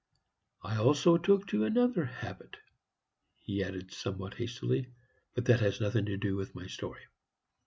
I also took to another habit," he added, somewhat hastily; "but that has nothing to do with my story.